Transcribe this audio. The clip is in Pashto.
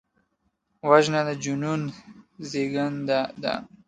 وژنه د جنون زیږنده ده